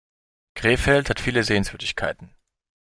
Krefeld hat viele Sehenswürdigkeiten